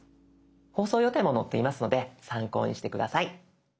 放送予定も載っていますので参考にして下さい。